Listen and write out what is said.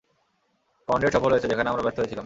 Conrad সফল হয়েছে যেখানে আমরা ব্যর্থ হয়েছিলাম।